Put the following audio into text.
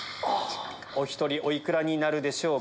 お１人お幾らになるでしょうか？